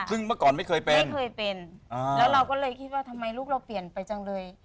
ซึ่งเมื่อก่อนไม่เคยเป็นไม่เคยเป็นแล้วเราก็เลยคิดว่าทำไมลูกเราเปลี่ยนไปจังเลย